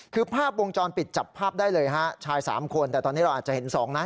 คือภาพวงจรปิดจับภาพได้เลยฮะชายสามคนแต่ตอนนี้เราอาจจะเห็นสองนะ